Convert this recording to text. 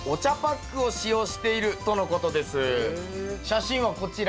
写真はこちら。